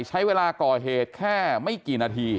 ใช้เวลาก่อเหตุแค่ไม่กี่นาที